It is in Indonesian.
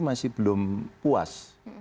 masih belum puas